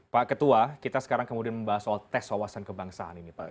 pak ketua kita sekarang kemudian membahas soal tes wawasan kebangsaan ini pak